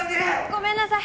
ごめんなさい。